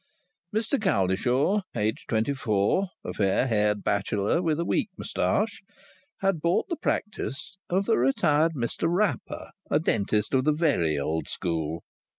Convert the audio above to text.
Mr Cowlishaw aged twenty four, a fair haired bachelor with a weak moustache had bought the practice of the retired Mr Rapper, a dentist of the very old school.